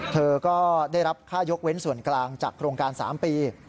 เธอก็ได้รับค่ายกเว้นส่วนกลางจากโครงการ๓ปี